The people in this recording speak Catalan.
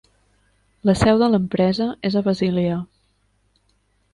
La seu de l'empresa és a Basilea.